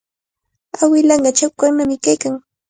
Awilanqa chakwannami kaykan.